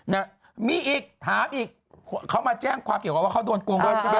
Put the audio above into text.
นะมีอีกถามอีกเขามาแจ้งความเกี่ยวกับว่าเขาโดนโกงด้วยใช่ไหม